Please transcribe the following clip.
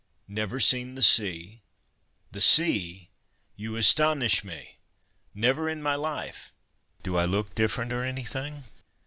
"Never seen the sea—the sea? You astonish me!" "Never in my life. Do I look different or anything?"